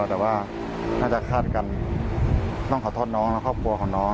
แต่ว่าน่าจะคาดกันต้องขอโทษน้องและครอบครัวของน้อง